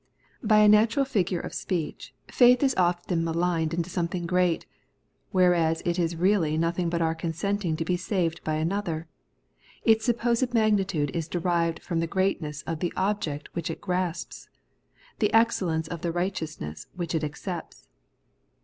By a natural figure of speech, faith is often magnified into something great ; whereas it is really nothing but our consenting to be saved by another: its supposed magnitude is derived from the greatness of the object which it grasps, the excellence of the righteousness which it accepts.